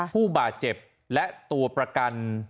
ผู้บาดเจ็บและตัวประกัน